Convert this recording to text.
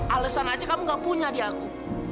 alesan aja kamu gak punya di aku